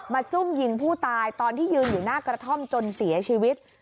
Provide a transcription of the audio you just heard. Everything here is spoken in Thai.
ซุ่มยิงผู้ตายตอนที่ยืนอยู่หน้ากระท่อมจนเสียชีวิต